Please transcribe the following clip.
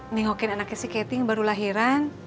nengokin anaknya si keting baru lahiran